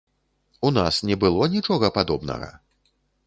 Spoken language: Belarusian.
У нас не было нічога падобнага?